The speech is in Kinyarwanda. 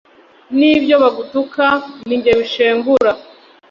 n’ibyo bagutuka ni jye bishengura